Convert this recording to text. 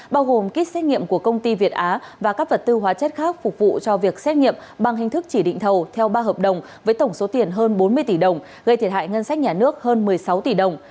bao gồm kit xét nghiệm của công ty việt á và các vật tư hóa chất khác phục vụ cho việc xét nghiệm bằng hình thức chỉ định thầu theo ba hợp đồng với tổng số tiền hơn bốn mươi tỷ đồng gây thiệt hại ngân sách nhà nước hơn một mươi sáu tỷ đồng